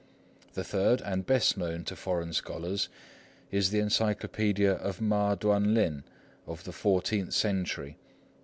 The third, and best known to foreign scholars, is the encyclopædia of Ma Tuan lin of the fourteenth century.